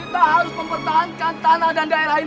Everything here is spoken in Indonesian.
ibu ingin membuat mereka diy